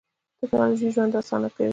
تکنالوژي ژوند آسانه کوي.